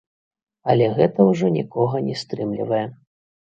Але гэта ўжо нікога не стрымлівае.